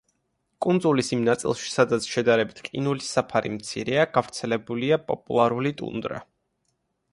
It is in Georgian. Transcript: კუნძულის იმ ნაწილში სადაც შედარებით ყინულის საფარი მცირეა, გავრცელებულია პოლარული ტუნდრა.